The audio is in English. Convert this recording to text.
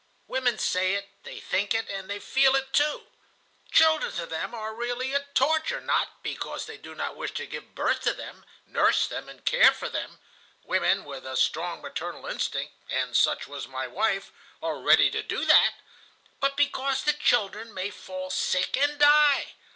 Women say it, they think it, and they feel it too. Children to them are really a torture, not because they do not wish to give birth to them, nurse them, and care for them (women with a strong maternal instinct—and such was my wife—are ready to do that), but because the children may fall sick and die.